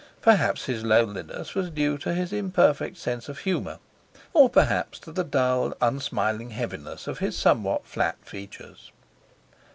Perhaps his loneliness was due to his imperfect sense of humour, or perhaps to the dull, unsmiling heaviness of his somewhat flat features.